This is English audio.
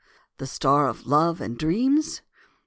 The star of love and dreams?